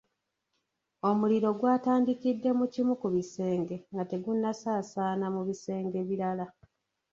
Omuliro gw'atandikidde mu kimu ku bisenge nga tegunnasaasaana mu bisenge ebirala.